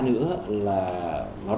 là nó đang có một cái